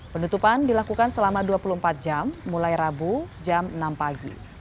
penutupan dilakukan selama dua puluh empat jam mulai rabu jam enam pagi